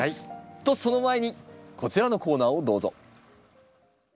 とその前にこちらのコーナーをどうぞ。